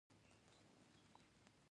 د بیرو په دوکان کې پر یوه مېز ناست وو.